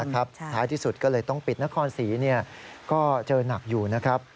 ท้ายที่สุดก็เลยต้องปิดนครศรีก็เจอหนักอยู่นะครับ